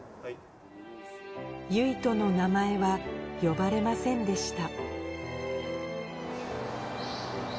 唯翔の名前は呼ばれませんでした